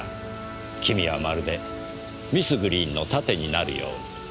君はまるでミス・グリーンの盾になるように。